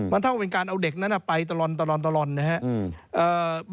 มันเท่าเป็นการเอาเด็กนั้นไปตลอดนะครับ